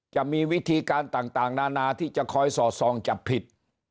จะมีวิธีการต่างนานาที่จะคอยสอดส่องจับผิด